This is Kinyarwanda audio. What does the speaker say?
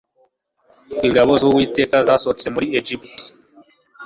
ingabo z'Uwiteka zasohotse muri Egiputa»